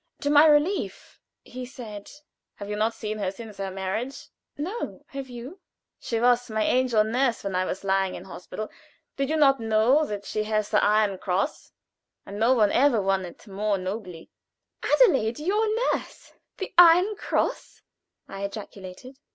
To my relief he said: "Have you not seen her since her marriage?" "No; have you?" "She was my angel nurse when I was lying in hospital at . Did you not know that she has the Iron Cross? And no one ever won it more nobly." "Adelaide your nurse the Iron Cross?" I ejaculated.